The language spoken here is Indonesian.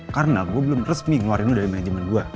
karena gue belum resmi ngeluarin lo dari manajemen gue